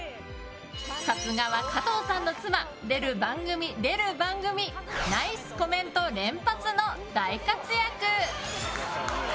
さすがは加藤さんの妻出る番組、出る番組ナイスコメント連発の大活躍！